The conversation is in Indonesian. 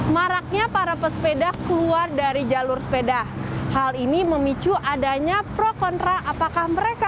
maraknya para pesepeda keluar dari jalur sepeda hal ini memicu adanya pro kontra apakah mereka